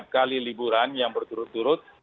tiga kali liburan yang berturut turut